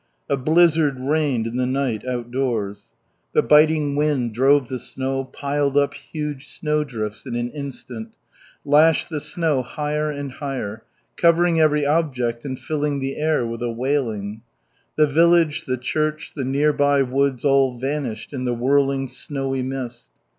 A blizzard reigned in the night outdoors; the biting wind drove the snow, piled up huge snow drifts in an instant, lashed the snow higher and higher, covering every object and filling the air with a wailing. The village, the church, the nearby woods, all vanished in the whirling snowy mist.